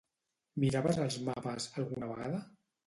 Miraves els mapes, alguna vegada?